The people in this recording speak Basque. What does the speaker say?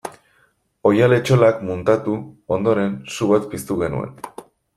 Oihal-etxolak muntatu ondoren su bat piztu genuen.